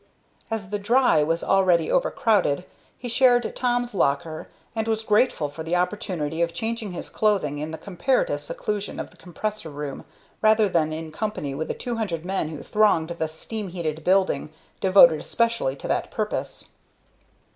As the "Dry" was already overcrowded, he shared Tom's locker, and was grateful for the opportunity of changing his clothing in the comparative seclusion of the compressor room rather than in company with the two hundred men who thronged the steam heated building devoted especially to that purpose.